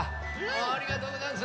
ありがとうござんす！